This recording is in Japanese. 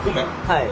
はい。